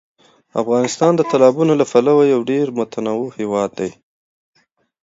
افغانستان د تالابونو له پلوه یو ډېر متنوع هېواد دی.